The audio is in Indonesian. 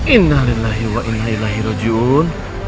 innalillahiwa innaillahi rojun